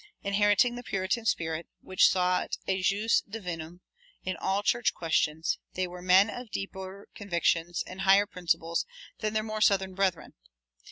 Inheriting the Puritan spirit, which sought a jus divinum in all church questions, they were men of deeper convictions and "higher" principles than their more southern brethren.